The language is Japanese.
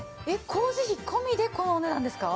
工事費込みでこのお値段ですか？